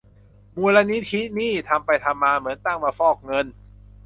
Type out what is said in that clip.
มูลนิธินี่ ทำไปทำมา เหมือนตั้งมาฟอกเงิน !